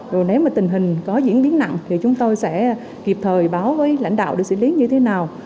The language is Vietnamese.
rồi nếu mà tình hình có diễn biến nặng thì chúng tôi sẽ kịp thời báo với lãnh đạo để xử lý như thế nào